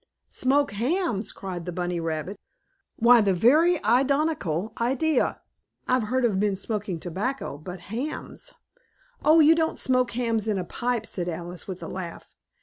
"Smoke hams!" cried the bunny rabbit. "Why the very idonical idea! I've heard of men smoking tobacco but hams " "Oh, you don't smoke hams in a pipe," said Alice with a laugh.